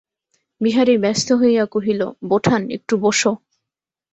বিহারী ব্যস্ত হইয়া কহিল, বোঠান, একটু বোসো।